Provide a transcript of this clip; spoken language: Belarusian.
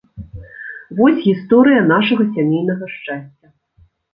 Вось гісторыя нашага сямейнага шчасця.